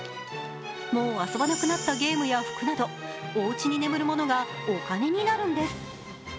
もう遊ばなくなったゲームや服などおうちに眠るものがお金になるんです。